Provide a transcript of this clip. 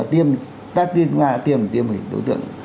tiêm là tiêm tiêm là tiêm